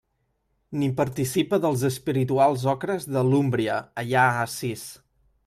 Ni participa dels espirituals ocres de l'Úmbria allà a Assís.